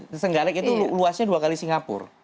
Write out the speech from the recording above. ternggalek itu luasnya dua kali singapur